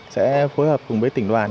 sẽ phối hợp cùng với tỉnh đoàn